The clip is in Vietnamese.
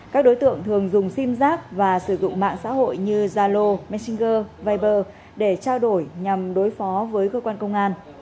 các đối tượng thường dùng sim giác và sử dụng mạng xã hội như zalo messenger viber để trao đổi nhằm đối phó với cơ quan công an